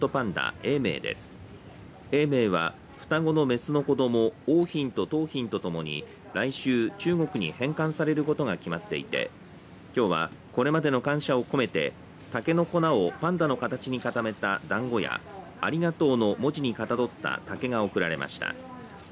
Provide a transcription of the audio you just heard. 永明は双子の雌の子ども桜浜と桃浜とともに来週、中国に返還されることが決まっていてきょうはこれまでの感謝を込めて竹の粉をパンダの形に固めただんごやありがとうの文字にかたどった竹が贈られました。